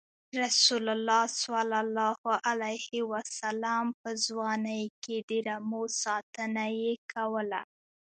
رسول الله ﷺ په ځوانۍ کې د رمو ساتنه یې کوله.